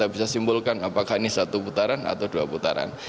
bisa simpulkan apakah ini satu putaran atau dua putaran